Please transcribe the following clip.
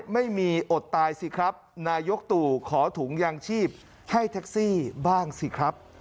ไม่มีอดตายสิครับนายกตู่ขอถุงยางชีพให้แท็กซี่บ้างสิครับ